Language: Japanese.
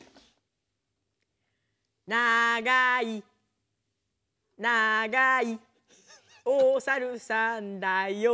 「ながい」「ながい」「おさるさんだよ」